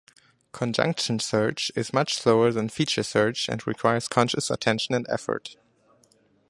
Conjunction search is much slower than feature search and requires conscious attention and effort.